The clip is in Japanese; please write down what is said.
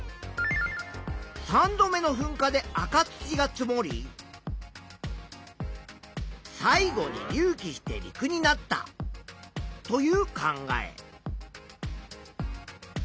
３度目のふんかで赤土が積もり最後に隆起して陸になったという考え。